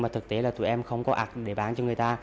tụi em không có ạc để bán cho người ta